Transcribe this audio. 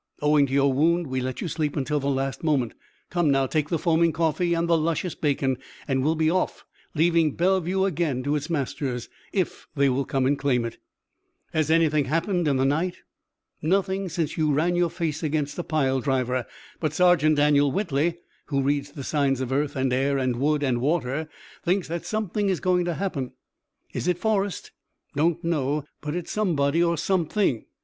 Owing to your wound we let you sleep until the last moment. Come now, take the foaming coffee and the luscious bacon, and we'll be off, leaving Bellevue again to its masters, if they will come and claim it." "Has anything happened in the night?" "Nothing since you ran your face against a pile driver, but Sergeant Daniel Whitley, who reads the signs of earth and air and wood and water, thinks that something is going to happen." "Is it Forrest?" "Don't know, but it's somebody or something.